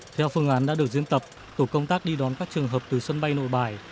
theo phương án đã được diễn tập tổ công tác đi đón các trường hợp từ sân bay nội bài